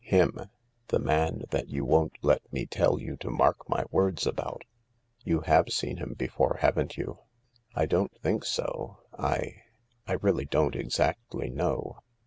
" Him. The man that you won't let me tell you to mark my words about. You have seen him before, haven't you ?" I don't think so. ... I ... I really don't exactly know.